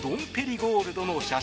ゴールドの写真。